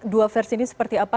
dua versi ini seperti apa